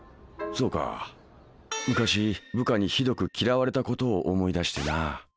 そうか昔部下にひどく嫌われたことを思い出してな。